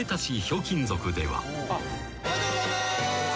『ひょうきん族』で？